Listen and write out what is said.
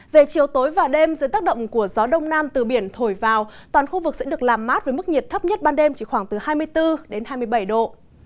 về chiều tối và đêm dưới tác động của gió đông nam từ biển thổi vào toàn khu vực sẽ được làm mát với mức nhiệt thấp nhất ban đêm chỉ khoảng từ hai mươi bốn hai mươi bảy độ